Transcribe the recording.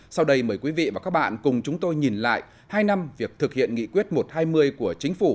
sau đây mời quý vị và các bạn cùng chúng tôi nhìn lại hai năm việc thực hiện nghị quyết một trăm hai mươi của chính phủ